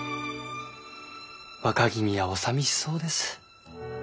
若君はお寂しそうです。